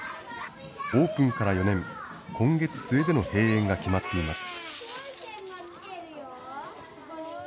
オープンから４年、今月末での閉園が決まっています。